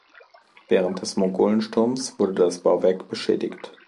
Während des Mongolensturms wurde das Bauwerk beschädigt.